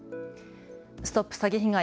ＳＴＯＰ詐欺被害！